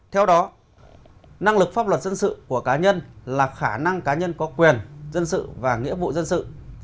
theo đó năng lực pháp luật dân sự của cá nhân là khả năng cá nhân có quyền dân sự và nghĩa vụ dân sự